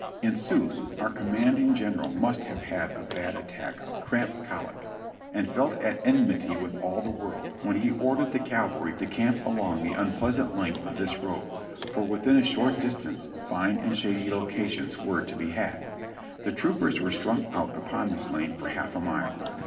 In sooth, our command ing general must have had a bad attack of cramp colic, and felt at enmity with all the world, when he ordered the cavalry to camp along the unpleasant length of this road ; for within a short dis tance fine and shady locations were to be had. The troopers were strung out upon this lane for half a mile.